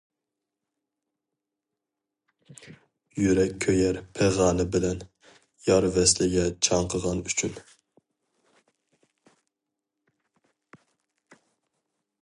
يۈرەك كۆيەر پىغانى بىلەن، يار ۋەسلىگە چاڭقىغان ئۈچۈن.